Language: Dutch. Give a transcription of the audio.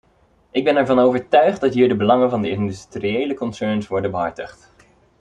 Ik ben ervan overtuigd dat hier de belangen van de industriële concerns worden behartigd.